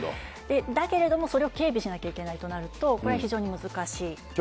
だけれども、それを警備しなきゃいけないとなると、これは非常に難しい。